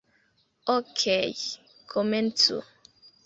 Okej, komencu.